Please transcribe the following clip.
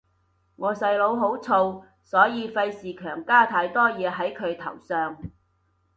我細佬好燥，所以費事強加太多嘢係佢頭上